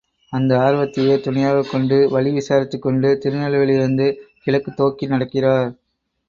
அந்த ஆர்வத்தையே துணையாகக் கொண்டு, வழி விசாரித்துக் கொண்டு, திருநெல்வேலியிலிருந்து கிழக்கு தோக்கி நடக்கிறார்.